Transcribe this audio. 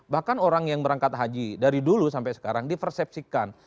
bahkan orang yang berangkat haji dari dulu sampai sekarang dipersepsikan